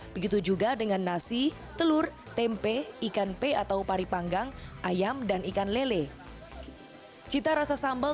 begitu juga dengan nasi telur tempe ikan pe atau pari panggang ayam dan ikan lele cita rasa sambal